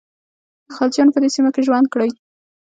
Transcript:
د خلجیانو په دې سیمه کې ژوند کړی.